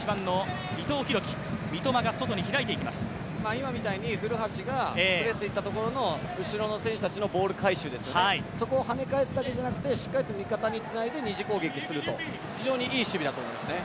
今みたいに古橋がプレスいったところの後ろの選手のボール回収ですよね、そこをはね返すだけじゃなくて、しっかりと味方につないで二次攻撃をする、非常にいい守備だと思います。